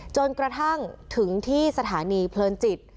จนกระทั่งถึงที่สถานีเพลินจิต